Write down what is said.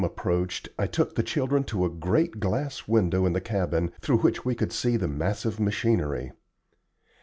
approached, I took the children to a great glass window in the cabin, through which we could see the massive machinery.